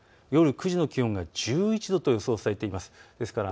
夜９時の気温が１１度と予想されています。